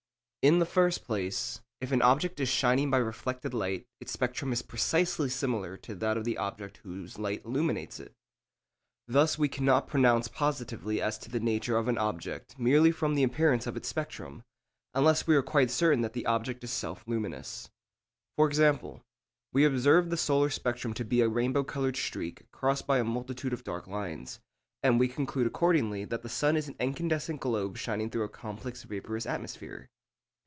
In the first place, if an object is shining by reflected light its spectrum is precisely similar to that of the object whose light illuminates it. Thus we cannot pronounce positively as to the nature of an object merely from the appearance of its spectrum, unless we are quite certain that the object is self luminous. For example, we observe the solar spectrum to be a rainbow coloured streak crossed by a multitude of dark lines, and we conclude accordingly that the sun is an incandescent globe shining through a complex vaporous atmosphere.